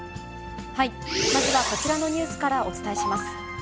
まずはこちらのニュースからお伝えします。